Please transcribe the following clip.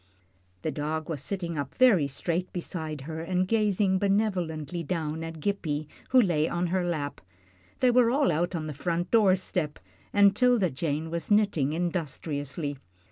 The dog was sitting up very straight beside her, and gazing benevolently down at Gippie, who lay on her lap. They were all out on the front door step, and 'Tilda Jane was knitting industriously.